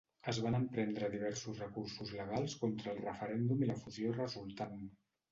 Es van emprendre diversos recursos legals contra el referèndum i la fusió resultant.